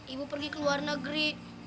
ibu pergi ke luar negeri